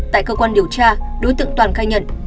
tại cơ quan điều tra đối tượng toàn khai nhận